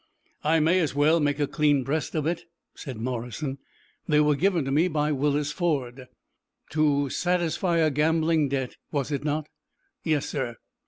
"I may as well make a clean breast of it," said Morrison. "They were given me by Willis Ford." "To satisfy a gambling debt, was it not?" "Yes, sir."